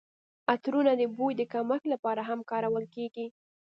عطرونه د بوی د کمښت لپاره هم کارول کیږي.